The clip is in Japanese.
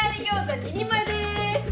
２人前でーす！